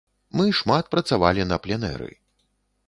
Мы шмат працавалі на пленэры.